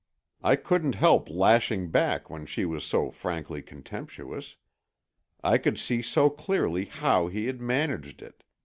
I couldn't help lashing back when she was so frankly contemptuous. I could see so clearly how he had managed it.